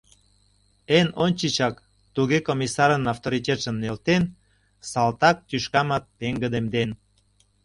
Эн ончычак, туге комиссарын авторитетшым нӧлтен, салтак тӱшкамат пеҥгыдемден.